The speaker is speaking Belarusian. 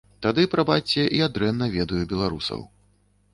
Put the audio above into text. Тады, прабачце, я дрэнна ведаю беларусаў.